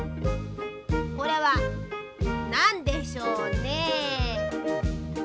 これはなんでしょうね。